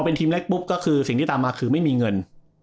เป็นทีมแรกปุ๊บก็คือสิ่งที่ตามมาคือไม่มีเงิน